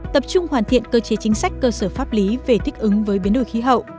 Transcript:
tập trung hoàn thiện cơ chế chính sách cơ sở pháp lý về thích ứng với biến đổi khí hậu